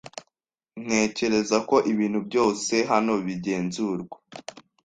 Ntekereza ko ibintu byose hano bigenzurwa.